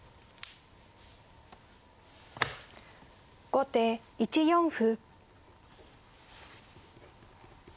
後手１四歩。